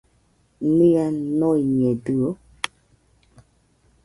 Nia noiñedɨo?